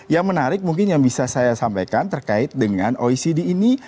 yang menarik mungkin yang bisa saya sampaikan terkait dengan oecd ini